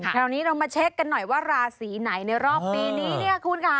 คราวนี้เรามาเช็กหน่อยว่าราสีไหนในรอบปีนี้